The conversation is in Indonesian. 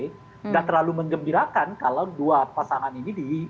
tidak terlalu mengembirakan kalau dua pasangan ini di